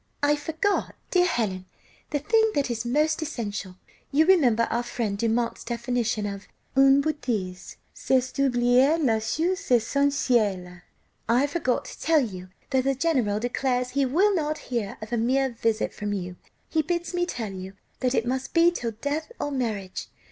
"I forgot, dear Helen, the thing that is most essential, (you remember our friend Dumont's definition of une betîse: c'est d'oublier la chose essentielle;) I forgot to tell you that the general declares he will not hear of a mere visit from you. He bids me tell you that it must be 'till death or marriage.